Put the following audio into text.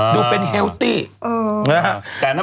มีลุ่นเป็นเฮลตี้ค์นะฮะ